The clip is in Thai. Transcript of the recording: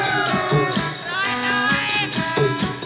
โอ้โหโอ้โหโอ้โหโอ้โห